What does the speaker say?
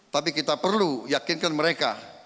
tapi kita perlu yakinkan mereka